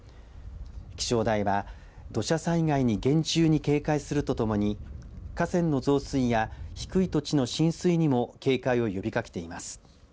気象台は土砂災害に厳重に警戒するとともに河川の増水や低い土地の浸水にも警戒を呼びかけています。